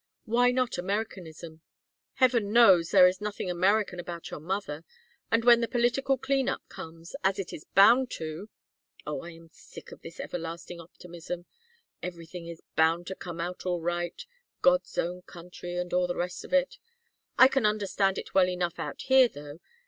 Why not Americanism? Heaven knows there is nothing American about your mother. And when the political cleanup comes, as it is bound to " "Oh, I am sick of this everlasting optimism: 'Everything is bound to come out all right,' 'God's own country,' and all the rest of it. I can understand it well enough out here, though.